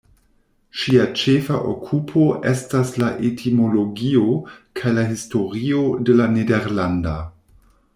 Ŝia ĉefa okupo estas la etimologio kaj la historio de la nederlanda.